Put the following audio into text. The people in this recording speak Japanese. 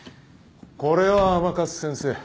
これは甘春先生。